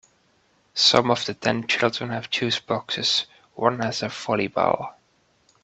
Some of the ten children have juice boxes, one has a volleyball.